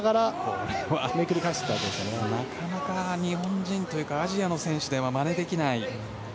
これはなかなか日本人とかアジアの選手ではまねできない。